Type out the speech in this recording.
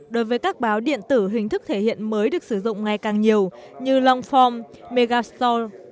đối với các báo điện tử hình thức thể hiện mới được sử dụng ngày càng nhiều như long form megastore